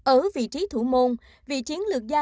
ở vị trí thủ môn vị chiến lược gia